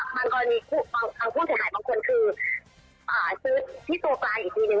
กรณีทางผู้เสียหายบางคนคือซื้อที่ตัวกลางอีกทีนึง